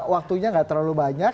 waktunya gak terlalu banyak